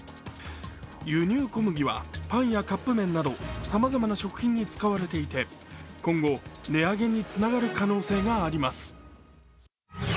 輸入小麦はパンやカップ麺などさまざまな食品に使われていて、今後、値上げにつながる可能性があります。